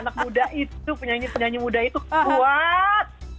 anak muda itu penyanyi penyanyi muda itu kuat